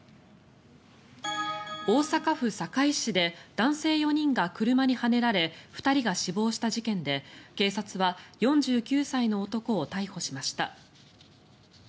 大阪府堺市で男性４人が車にはねられ２人が死亡した事件で警察は４９歳の男を逮捕しました。